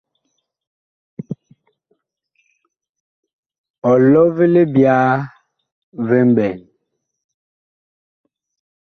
Ɔlɔ vi libyaa vi mɓɛɛŋ.